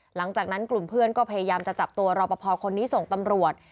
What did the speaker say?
หลังจากนั้นกลุ่มเพื่อนก็พยายามจะจับตัวรอปภคนนี้ส่งตำรวจ